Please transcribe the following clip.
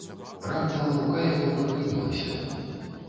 Раптам рука яго прыпынілася.